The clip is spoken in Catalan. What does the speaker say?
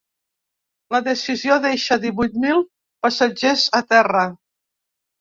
La decisió deixa divuit mil passatgers a terra.